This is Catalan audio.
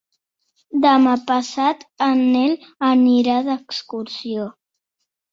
Demà passat en Nel anirà d'excursió.